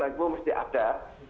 itu mesti ada